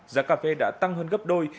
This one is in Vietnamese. giá cà phê đã tăng hơn gấp đôi